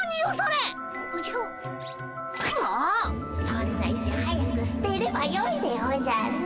そんな石早くすてればよいでおじゃる。